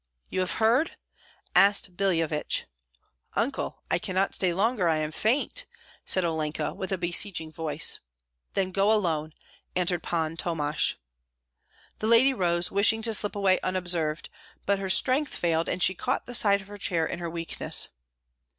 "You have heard?" asked Billevich. "Uncle, I cannot stay longer, I am faint," said Olenka, with a beseeching voice. "Then go alone," answered Pan Tomash. The lady rose, wishing to slip away unobserved; but her strength failed, and she caught the side of the chair in her weakness.